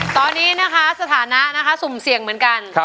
ตอนนี้นะคะสถานะนะคะสุ่มเสี่ยงเหมือนกัน